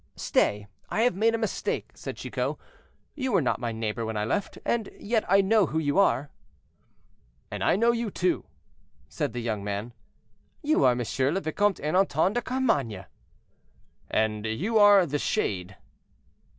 "Stay, I have made a mistake," said Chicot, "you were not my neighbor when I left, and yet I know who you are." "And I know you too," said the young man. "You are Monsieur le Vicomte Ernanton de Carmainges." "And you are 'The Shade.'"